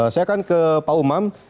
saya akan ke pak umam